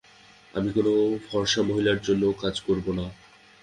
আমি কোনো ফর্সা মহিলার জন্যও কাজ করবো না।